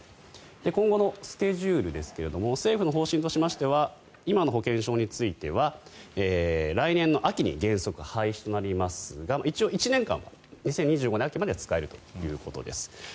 今後のスケジュールですが政府の方針としましては今の保険証については来年の秋に原則廃止となりますが一応、１年間２０２５年秋までは使えるということです。